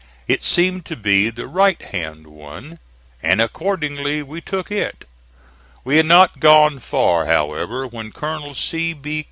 It seemed to be the right hand one, and accordingly we took it. We had not gone far, however, when Colonel C. B.